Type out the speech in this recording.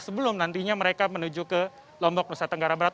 sebelum nantinya mereka menuju ke lombok nusa tenggara barat